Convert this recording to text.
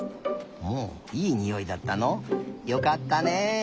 ほういいにおいだったの。よかったね！